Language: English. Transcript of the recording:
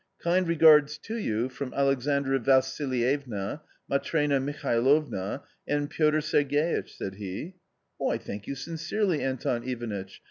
" Kind regards to you from Alexandra Vassilievna, Matrena Mihailovna and Piotr Sergeitch," said he. "I thank you sincerely, Anton Ivanitch!